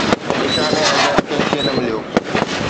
نشان حيدر ڪنهن کي نه مليو